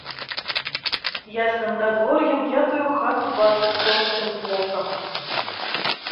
Ясным надвор'ем я тую хату бачу простым вокам.